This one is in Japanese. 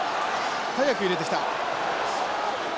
早く入れてきた。